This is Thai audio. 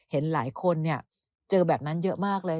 เห็นหลายคนไปเจอแบบนั้นเยอะมากเลย